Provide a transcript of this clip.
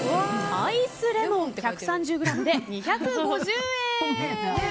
アイスレモン１３０ｇで２５０円。